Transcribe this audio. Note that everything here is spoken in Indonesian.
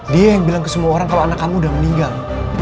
dia yang bilang ke semua orang kalau anak kamu udah meninggal